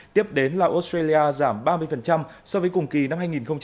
tiếp đến là australia giảm ba mươi so với cùng kỳ năm hai nghìn hai mươi hai